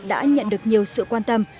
đã nhận được nhiều sự quan tâm